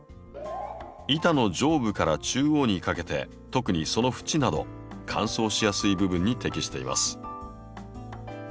板の上部から中央にかけて特にその縁など乾燥しやすい部分に適しています。